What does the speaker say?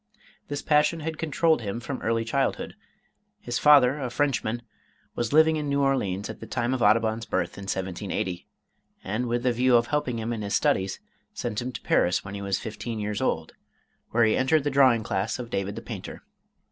This passion had controlled him from early childhood. His father, a Frenchman, was living in New Orleans at the time of Audubon's birth in 1780, and with the view of helping him in his studies, sent him to Paris when he was fifteen years old, where he entered the drawing class of David the painter.